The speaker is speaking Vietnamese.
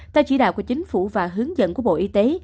theo chỉ đạo của chính phủ và hướng dẫn của bộ y tế